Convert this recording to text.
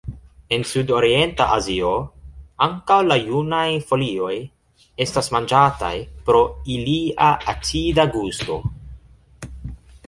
En sudorienta Azio ankaŭ la junaj folioj estas manĝataj pro ilia acida gusto.